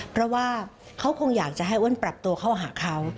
เพราะว่าเขาคงอยากจะให้อ้วนปรับตัวเข้าหาเขา